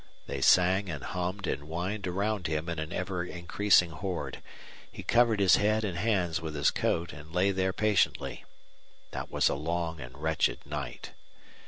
They sang and hummed and whined around him in an ever increasing horde. He covered his head and hands with his coat and lay there patiently. That was a long and wretched night.